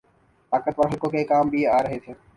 طاقتور حلقوں کے کام بھی آرہے تھے۔